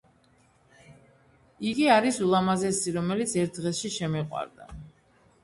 იგი არის ულამაზესი რომელიც ერთ დღეში შემიყვარდა